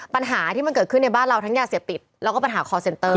ปัญหาที่มันเกิดขึ้นในบ้านเราทั้งยาเสพติดแล้วก็ปัญหาคอร์เซ็นเตอร์